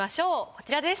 こちらです。